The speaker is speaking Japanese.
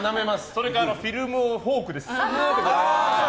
それかフィルムをフォークですーって。